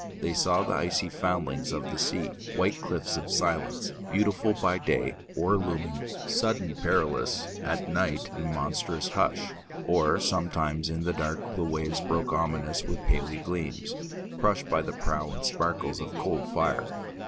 They saw the icy foundlings of the sea, White cliffs of silence, beautiful by day, Or looming, sudden perilous, at nightIn monstrous hush; or sometimes in the darkThe waves broke ominous with paly gleamsCrushed by the prow in sparkles of cold fire.